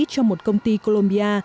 cho một công ty colombia